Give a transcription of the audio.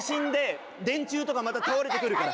電柱とかまた倒れてくるから。